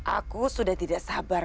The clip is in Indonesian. aku sudah tidak sabar